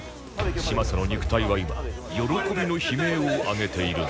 嶋佐の肉体は今喜びの悲鳴を上げているのだ